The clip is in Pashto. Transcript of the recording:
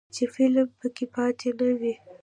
چې فلم پکې پاتې نه وي.